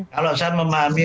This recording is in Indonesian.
kalau saya memahami